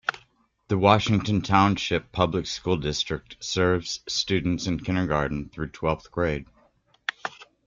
The Washington Township Public School District serves students in kindergarten through twelfth grade.